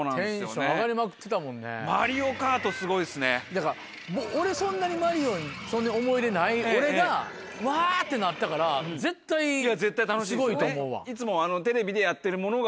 だから俺そんなにマリオにそんなに思い入れない俺がうわってなったから絶対すごいと思うわ。